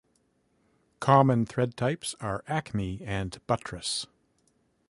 Common thread types are Acme and buttress.